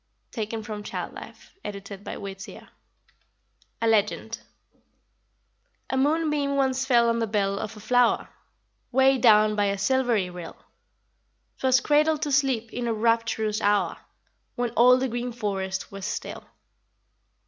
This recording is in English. Taken from Child Life, edited by Whittier. A LEGEND. A moonbeam once fell on the bell of a flower, Way down by a silvery rill; 'Twas cradled to sleep in a rapturous hour, When all the green forest was still.